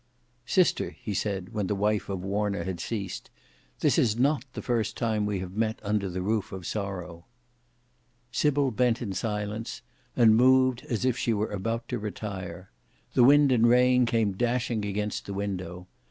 "Sister," he said when the wife of Warner had ceased, "this is not the first time we have met under the roof of sorrow." Sybil bent in silence, and moved as if she were about to retire: the wind and rain came dashing against the window.